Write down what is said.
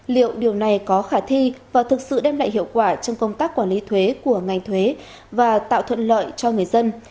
liệu điều này có khả thi và thực sự đem lại hiệu quả trong công tác quản lý thuế của ngành thuế và tạo thuận lợi cho người dân